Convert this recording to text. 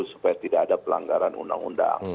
supaya tidak ada pelanggaran undang undang